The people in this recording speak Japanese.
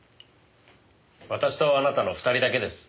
私とあなたの２人だけです。